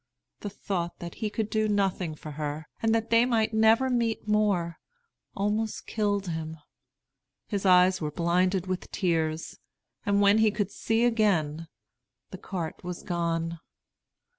The thought that he could do nothing for her, and that they might never meet more, almost killed him. His eyes were blinded with tears; and when he could see again, the cart was gone.